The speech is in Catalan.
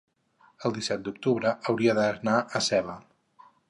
el disset d'octubre hauria d'anar a Seva.